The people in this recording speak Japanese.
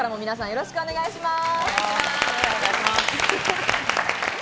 よろしくお願いします。